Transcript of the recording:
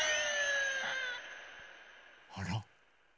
あら？